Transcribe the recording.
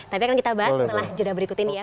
tapi akan kita bahas setelah jeda berikut ini ya